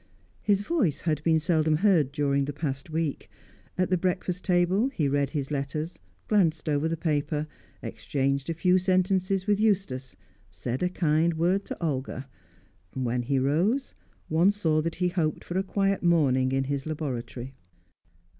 His voice had been seldom heard during the past week. At the breakfast table he read his letters, glanced over the paper, exchanged a few sentences with Eustace, said a kind word to Olga; when he rose, one saw that he hoped for a quiet morning in his laboratory.